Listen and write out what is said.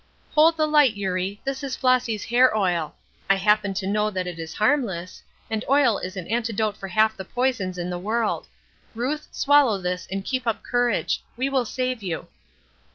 "Hold the light, Eurie; this is Flossy's hair oil. I happen to know that it is harmless, and oil is an antidote for half the poisons in the world. Ruth, swallow this and keep up courage; we will save you."